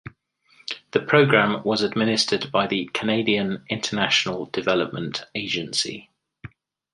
The programme was administered by the Canadian International Development Agency.